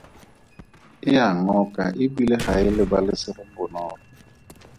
E a ngoka e bile ga e lebalesege bonolo.